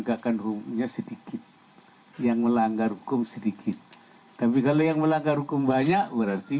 sedikit yang melanggar hukum sedikit tapi kalau yang melanggar hukum banyak berarti